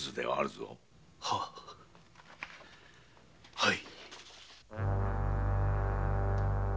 はい。